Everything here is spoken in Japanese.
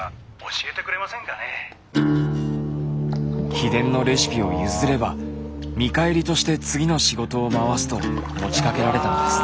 秘伝のレシピを譲れば見返りとして次の仕事を回すと持ちかけられたのです。